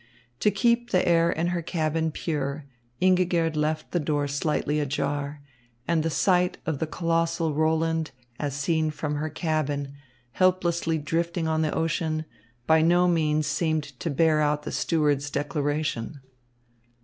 To keep the air in her cabin pure, Ingigerd left the door slightly ajar; and the sight of the colossal Roland, as seen from her cabin, helplessly drifting in the ocean, by no means seemed to bear out the stewards' declaration.